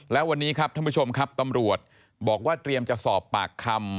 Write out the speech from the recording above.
และวันนี้ครับท่านผู้ชมครับตำรวจบอกว่าเตรียมจะสอบปากคำ